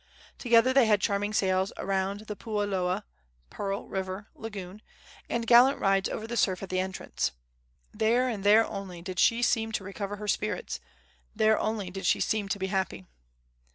Together they had charming sails around the Puuloa (Pearl River) lagoon, and gallant rides over the surf at the entrance. There, and there only, did she seem to recover her spirits; there only did she seem to be happy.